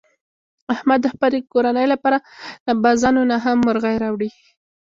احمد د خپلې کورنۍ لپاره له بازانونه نه هم مرغۍ راوړي.